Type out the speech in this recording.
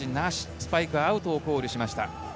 スパイクアウトをコールしました。